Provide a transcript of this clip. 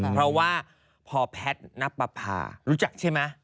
เพราะว่าพอแพทย์นับประพารู้จักใช่ไหม